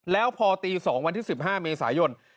แล้วพอตี๒วันที่๑๕เมษายน